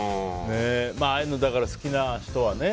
ああいうの好きな人はね。